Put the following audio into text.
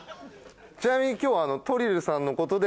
ちなみに今日。